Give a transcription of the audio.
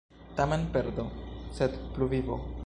Tamen perdo, sed pluvivo.